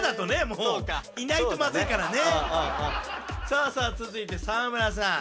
さあさあ続いて沢村さん